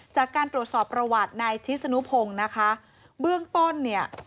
จากการตรวจสอบประวัตินายทิศนุพงศ์นะคะเบื้องต้นเนี่ย